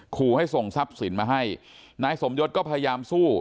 ขู่ให้ส่งทรัพย์สินมาให้นายสมยศก็พยายามสู้